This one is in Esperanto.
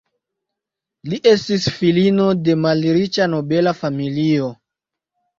Li estis filino de malriĉa nobela familio.